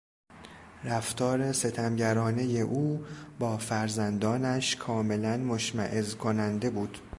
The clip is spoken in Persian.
رفتار ستمگرانهی او با فرزندانش کاملا مشمئز کننده بود.